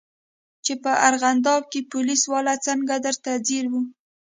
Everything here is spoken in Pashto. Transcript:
چې په ارغندې کښې پوليس والا څنګه درته ځير و.